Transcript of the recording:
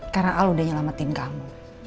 karena al udah nyelamatin kamu